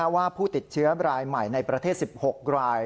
ว่าผู้ติดเชื้อรายใหม่ในประเทศ๑๖ราย